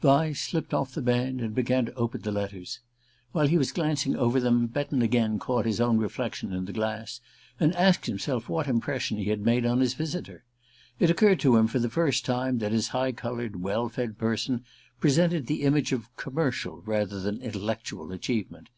Vyse slipped off the band and began to open the letters. While he was glancing over them Betton again caught his own reflection in the glass, and asked himself what impression he had made on his visitor. It occurred to him for the first time that his high coloured well fed person presented the image of commercial rather than of intellectual achievement.